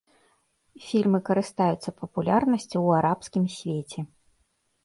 Фільмы карыстаюцца папулярнасцю ў арабскім свеце.